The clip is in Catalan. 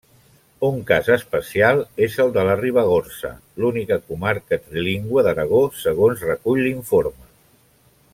Un cas especial és el de la Ribagorça, l'única comarca trilingüe d'Aragó, segons recull l'informe.